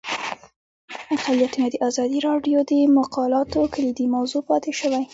اقلیتونه د ازادي راډیو د مقالو کلیدي موضوع پاتې شوی.